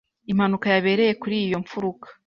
Impanuka yabereye kuri iyo mfuruka.